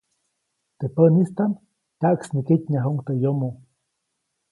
Teʼ päʼnistaʼm tyaʼksniketnyajuʼuŋ teʼ yomo.